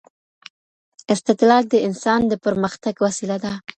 استدلال د انسان د پرمختګ وسيله ده.